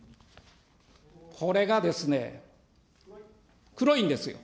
これがですね、黒いんですよ。